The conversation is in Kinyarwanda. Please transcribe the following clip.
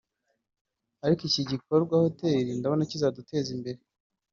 ariko iki gikorwa (Hotel) ndabona kizaduteza imbere